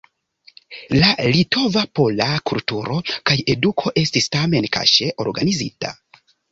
La Litova-Pola kulturo kaj eduko estis tamen kaŝe organizita.